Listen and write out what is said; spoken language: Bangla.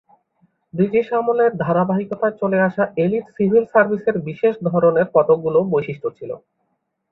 ব্রিটিশ আমলের ধারাবাহিকতায় চলে আসা এলিট সিভিল সার্ভিসের বিশেষ ধরনের কতকগুলো বৈশিষ্ট্য ছিল।